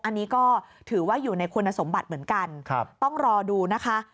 อันนี้ก็ถือว่าอยู่ในคุณสมบัติเหมือนกันต้องรอดูนะคะ